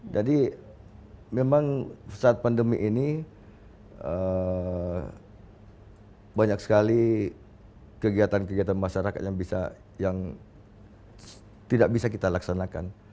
jadi memang saat pandemi ini banyak sekali kegiatan kegiatan masyarakat yang bisa yang tidak bisa kita laksanakan